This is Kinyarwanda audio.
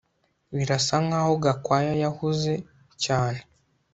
Birasa nkaho Gakwaya yahuze cyane